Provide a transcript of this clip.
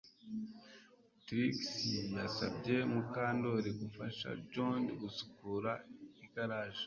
Trix yasabye Mukandoli gufasha John gusukura igaraje